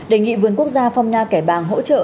đề nghị vườn quốc gia phong nha kẻ bàng hỗ trợ